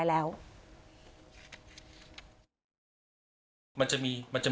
นี่แหละตรงนี้แหละ